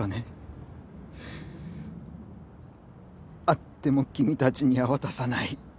あっても君たちには渡さない。